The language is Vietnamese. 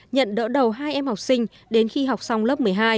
nhận đỡ đầu hai em học sinh đến khi học xong lớp một mươi hai